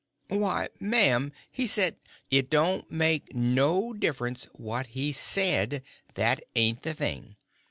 "Why, Mam, he said—" "It don't make no difference what he said—that ain't the thing.